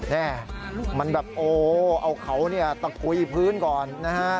เนี่ยมันแบบโอ้เอาเขาตะคุยพื้นก่อนนะฮะ